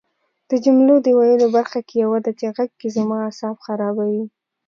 د جملو د ویلو برخه کې یوه ده چې غږ کې زما اعصاب خرابوي